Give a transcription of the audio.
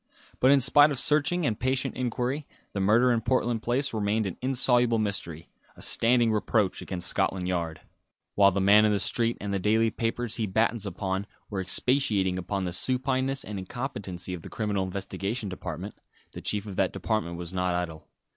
But in spite of searching and patient inquiry, the murder in Portland Place remained an insoluble mystery, a standing reproach against Scotland Yard. While the man in the street and the daily papers he battens upon were expatiating upon the supineness and incompetency of the Criminal Investigation Department, the chief of that department was not idle.